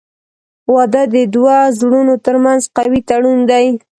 • واده د دوه زړونو ترمنځ قوي تړون دی.